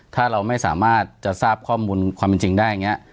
ถ้าเราไม่สามารถจะทราบข้อมูลความเป็นจริงได้อย่างนี้